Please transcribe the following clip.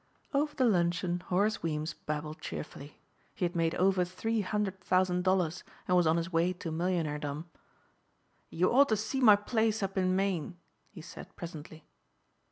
Over the luncheon Horace Weems babbled cheerfully. He had made over three hundred thousand dollars and was on his way to millionairedom. "You ought to see my place up in Maine," he said presently.